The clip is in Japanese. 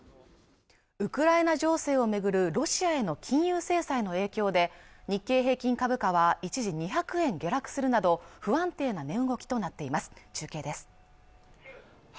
ウクライナ情勢を巡るロシアへの金融制裁の影響で日経平均株価は一時２００円下落するなど不安定な値動きとなっています中継です